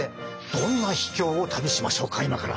どんな秘境を旅しましょうか今から！